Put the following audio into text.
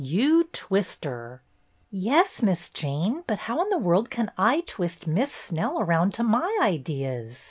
You twist her.'' ''Yes, Miss Jane, but how in the world can I twist Miss Snell around to my ideas